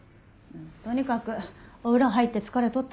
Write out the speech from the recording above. とにかくお風呂入って疲れ取ったら？